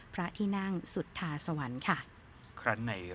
พระที่นั่งสุธาสวรรค์ค่ะ